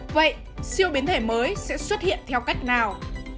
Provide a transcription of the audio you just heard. vậy siêu biến thể mới sẽ xuất hiện theo cách nào